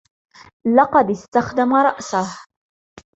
لقد إستخدم رأسه.